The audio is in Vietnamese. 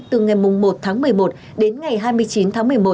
từ ngày một tháng một mươi một đến ngày hai mươi chín tháng một mươi một